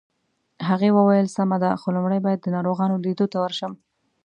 هغې وویل: سمه ده، خو لومړی باید د ناروغانو لیدو ته ورشم.